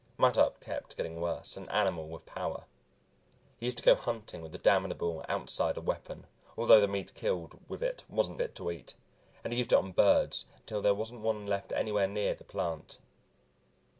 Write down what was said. Mattup kept getting worse; an animal with power. He used to go hunting with the damnable Outsider weapon, although the meat killed with it wasn't fit to eat, and he used it on birds until there wasn't one left anywhere near the plant.